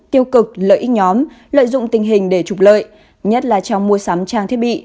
tiêu cực lợi ích nhóm lợi dụng tình hình để trục lợi nhất là trong mua sắm trang thiết bị